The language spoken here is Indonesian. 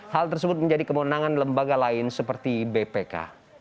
hal tersebut menjadi kemenangan lembaga lain seperti bpk